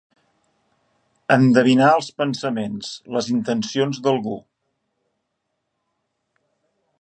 Endevinar els pensaments, les intencions d'algú.